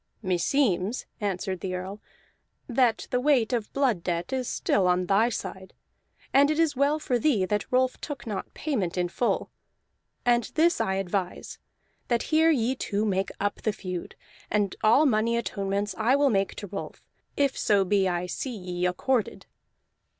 "Meseems," answered the Earl, "that the weight of blood debt is still on thy side, and it is well for thee that Rolf took not payment in full. And this I advise, that here ye two make up the feud; and all money atonements I will make to Rolf, if so be I see ye accorded."